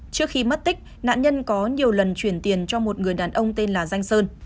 trước khi mất tích nạn nhân có nhiều lần chuyển tiền cho một người đàn ông tên là danh sơn